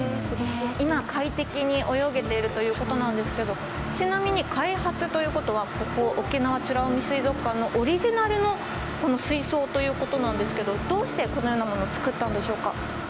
今快適に泳げてるということなんですけどちなみに開発ということはここ沖縄美ら海水族館のオリジナルの水槽ということなんですけどどうしてこのようなものを造ったんでしょうか？